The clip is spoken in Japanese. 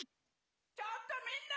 ちょっとみんな！